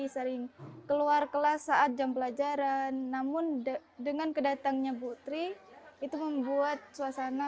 selamat pagi atta